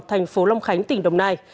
thành phố long khánh tỉnh đồng nai